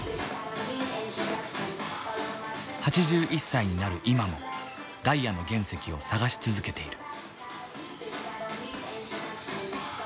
８１歳になる今もダイヤの原石を探し続けている。